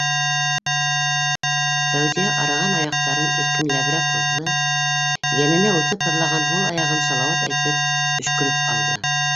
- Фәүзиә арыған аяҡтарын иркенләберәк һуҙҙы, йәненә үтеп һыҙлаған һул аяғын салауат әйтеп өшкөрөп алды.